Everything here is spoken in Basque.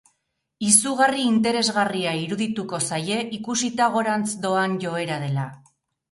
Izugarri interesgarria irudituko zaie, ikusita gorantz doan joera dela.